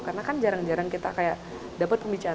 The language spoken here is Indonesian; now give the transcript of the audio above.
karena kan jarang jarang kita kayak dapat pembicaraan